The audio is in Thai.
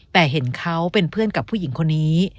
แต่เห็นเขาเป็นเพื่อนกับผู้หญิงคนนี้